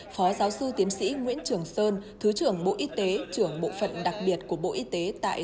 phó giáo sư tiến sĩ nguyễn trường sơn thứ trưởng bộ y tế trưởng bộ phận đặc biệt của bộ y tế tại